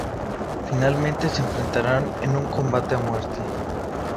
Finalmente se enfrentarán en un combate a muerte.